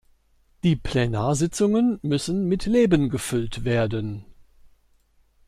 Die Plenarsitzungen müssen mit Leben gefüllt werden.